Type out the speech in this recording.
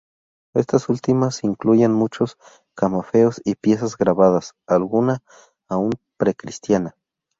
Estas últimas incluyen muchos camafeos y piezas grabadas, alguna aún pre-cristiana.